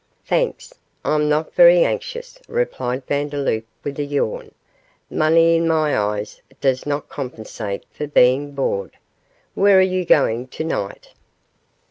'Thanks, I'm not very anxious,' replied Vandeloup, with a yawn; 'money in my eyes does not compensate for being bored; where are you going to night?